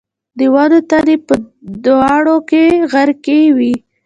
د ونو تنې په دوړو کې غرقي وې.